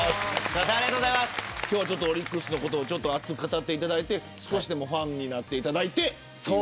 オリックスのことを熱く語っていただいて少しでもファンになっていただいて。